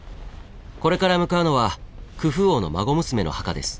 これから向かうのはクフ王の孫娘の墓です。